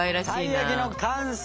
「たい焼きの完成！」。